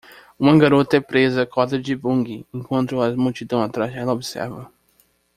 Uma garota é presa a cordas de bungee enquanto a multidão atrás dela observa.